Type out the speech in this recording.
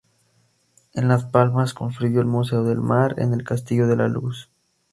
En Las Palmas construyó el Museo del Mar, en el Castillo de la Luz.